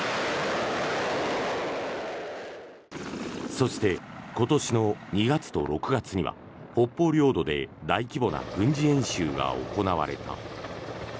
そして、今年の２月と６月には北方領土で大規模な軍事演習が行われた。